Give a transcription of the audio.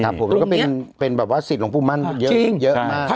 แล้วก็เป็นแบบว่าสิทธิ์หลวงปู่มั่นเยอะมาก